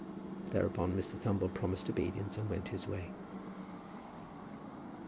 Thereupon, Mr. Thumble promised obedience and went his way.